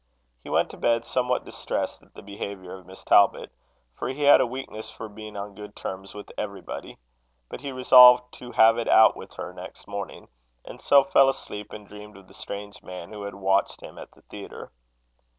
He went to bed, somewhat distressed at the behaviour of Miss Talbot, for he had a weakness for being on good terms with everybody. But he resolved to have it out with her next morning; and so fell asleep and dreamed of the strange man who had watched him at the theatre.